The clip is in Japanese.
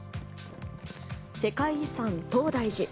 世界遺産・東大寺。